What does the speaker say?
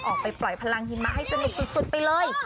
ออกไปปล่อยพลังหิมะให้สนุกสุดไปเลย